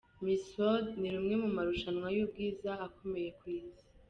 Miss World, ni rimwe mu marushanwa y’ubwiza akomeye ku isi.